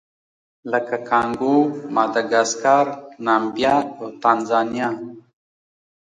لکه کانګو، ماداګاسکار، نامبیا او تانزانیا.